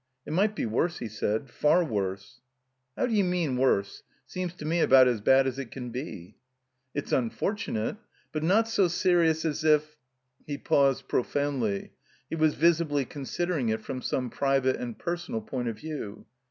"It might be worse," he said, "far worse." "How d'you mean — ^worse? Seems to me about as bad as it can be." *' It's imf orttmate — ^but not so serious as if —" He paused profoundly. He was visibly considering it from some private and personal point of view.